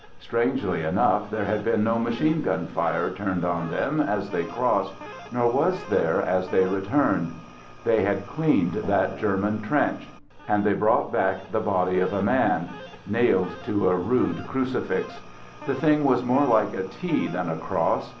Strangely enough there had been no machine gun fire turned on them as they crossed, nor was there as they returned. They had cleaned that German trench! And they brought back the body of a man — nailed to a rude crucifix. The thing was more like a T than a cross.